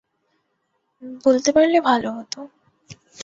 বলতে পারলে ভালো হত।